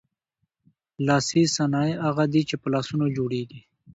لاسي صنایع هغه دي چې په لاسونو جوړیږي.